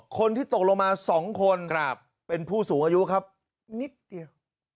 คนที่ตกลงมา๒คนเป็นผู้สูงอายุครับนิดเดียว